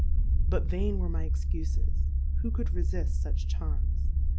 But vain were my Excufes, who could refill fuch Charms?